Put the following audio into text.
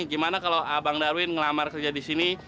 gimana kalo abang darwin ngelamar kerja disini